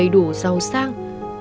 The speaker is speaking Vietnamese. đủ giàu sang